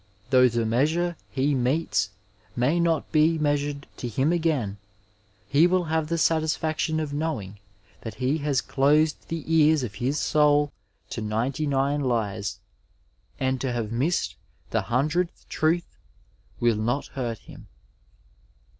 — ^though the measure he metes may not be measured to him again, he will have the satisfaction of knowing that he has closed the ears of his soul to ninety nine lies, and to have missed the hundredth truth will not hurt him.